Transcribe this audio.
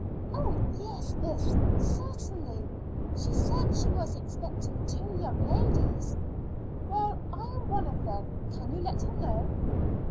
"Oh yes, miss, certainly. She said she was expecting two young ladies." "Well, I am one of them. Can you let her know?"